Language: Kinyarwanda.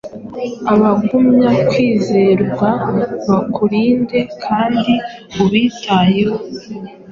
Abagumya kwizerwabakurinde kandi ubitayeho